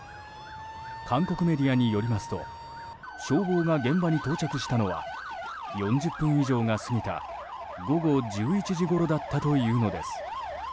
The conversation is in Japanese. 韓国メディアによりますと消防が現場に到着したのは４０分以上が過ぎた午後１１時ごろだったというのです。